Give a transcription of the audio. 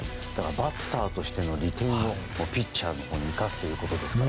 バッターとしての利点をピッチャーのほうに生かすということですから。